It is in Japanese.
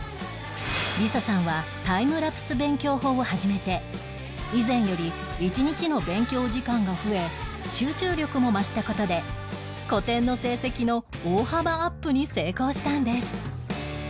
理紗さんはタイムラプス勉強法を始めて以前より１日の勉強時間が増え集中力も増した事で古典の成績の大幅アップに成功したんです